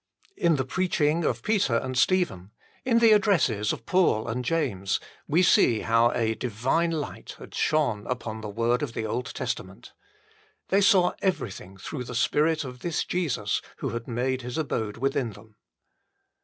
In the preaching of Peter and Stephen, in the addresses of Paul and James, we see how a divine light had shone upon the word of the Old Testament. They saw everything through the Spirit of this Jesus who had made His abode within them.